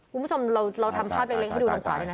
คุณผู้ชมเราทำภาพเล็กให้ดูทางขวาด้วยนะ